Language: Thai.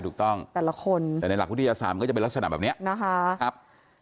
ถูกต้องแต่ละคนแต่ในหลักวิทยาศาสตร์มันก็จะเป็นลักษณะแบบนี้นะคะครับ